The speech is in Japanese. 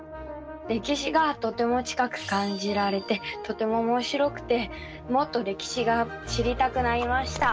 歴史がとても近く感じられてとてもおもしろくてもっと歴史が知りたくなりました。